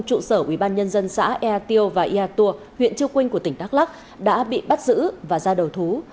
trụ sở ubnd xã ea tiêu và ea tùa huyện chiêu quynh của tỉnh đắk lắc đã bị bắt giữ và ra đầu thú